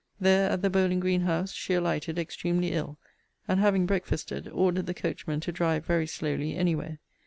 There at the Bowling green House, she alighted, extremely ill, and having breakfasted, ordered the coachman to drive very slowly any where.